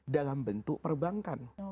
dalam bentuk perbankan